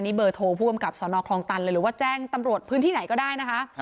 นี่เบอร์โทรผู้กำกับสนคลองตันเลยหรือว่าแจ้งตำรวจพื้นที่ไหนก็ได้นะคะ